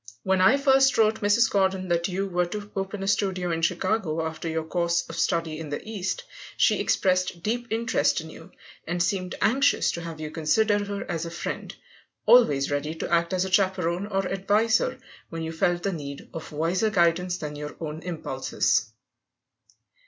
When I first wrote Mrs. Gordon that you were to open a studio in Chicago after your course of study in the East, she expressed deep interest in you, and seemed anxious to have you consider her as a friend always ready to act as a chaperon or adviser when you felt the need of wiser guidance than your own impulses.